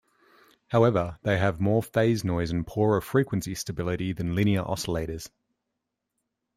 However they have more phase noise and poorer frequency stability than linear oscillators.